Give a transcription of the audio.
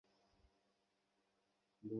যেটাই বলো থাকো না কেন।